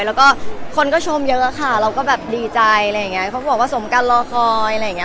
แล้วก็คนก็ชมเยอะค่ะเราก็แบบดีใจอะไรอย่างเงี้ยเขาก็บอกว่าสมกันรอคอยอะไรอย่างเงี้